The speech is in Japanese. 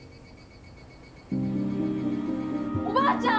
おばあちゃん！